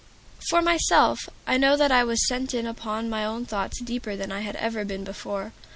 For myself, I know that I was sent in upon my own thoughts deeper than I had ever been before.